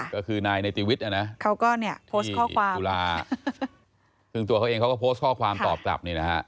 ก็คือนายในตีวิทย์ที่สุราพึ่งตัวเขาเองเขาก็โพสต์ข้อความตอบกับ